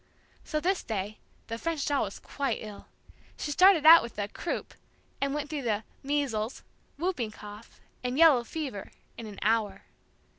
So this day, the French doll was quite ill. She started out with the "croup," and went through the "measles," "whooping cough," and "yellow fever" in an hour.